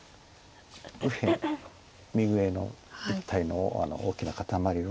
右辺右上の一帯の大きな固まりを。